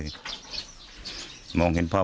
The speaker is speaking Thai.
แต่ตอนนี้เขาไม่รู้ว่าจะเป็นคนใหญ่นะครับ